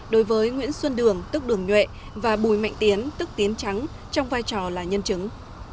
đối với nguyễn xuân đường tức đường nhuệ và bùi mạnh tiến tức tiến trắng trong vai trò là nhân chứng